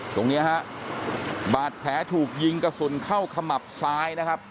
ตรงนี้ฮะบาดแผลถูกยิงกระสุนเข้าขมับซ้ายนะครับ